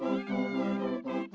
pertama suara dari biasusu